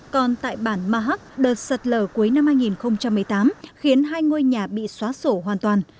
còn tại bản ma hắc đợt sạt lở cuối năm hai nghìn một mươi tám khiến hai ngôi nhà bị xóa sổ hoàn toàn